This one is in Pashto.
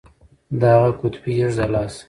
د اغه قطبي يږ د لاسه.